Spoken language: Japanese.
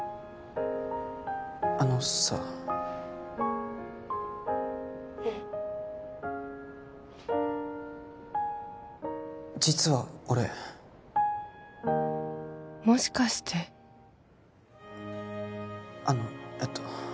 あのさうん実は俺もしかしてあのえっと